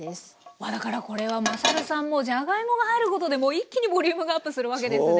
まあだからこれはまさるさんもじゃがいもが入ることでもう一気にボリュームがアップするわけですね。